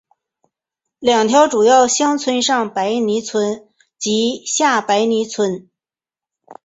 两条主要乡村上白泥村及下白泥村均辖属厦村乡。